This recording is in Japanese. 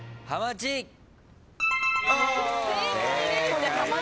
正解です。